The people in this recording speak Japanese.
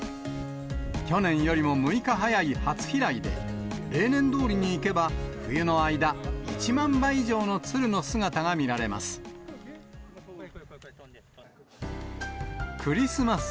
去年よりも６日早い初飛来で、例年どおりにいけば、冬の間、１万羽以上のツルの姿が見られます。